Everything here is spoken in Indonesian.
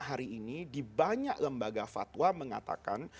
hari ini di banyak lembaga fatwa mengatakan